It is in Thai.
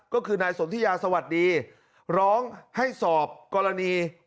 ก็คือนายสนทิยาสวัสดีร้องให้สอบกรณี